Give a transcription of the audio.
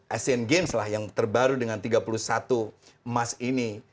asian games lah yang terbaru dengan tiga puluh satu emas ini